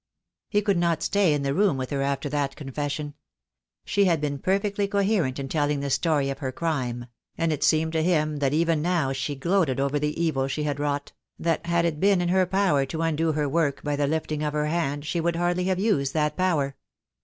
He could not stay in the room with her after that confession. She had been perfectly coherent in telling the story of her crime; and it seemed to him that even now she gloated over the evil she had wrought — that had it been in her power to undo her work by the lifting of her hand she would hardly have used that power.